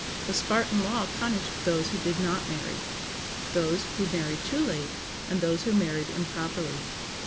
The Spartan law punished those who did not marry, those who married too late, and those who married improperly.